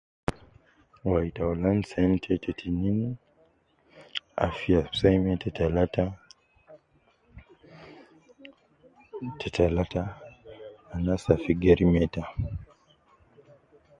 Wai taulan sente te tinin afiya ab seme te talata ,te talata anas al fi geri meta